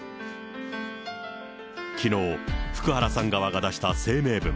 きのう、福原さん側が出した声明文。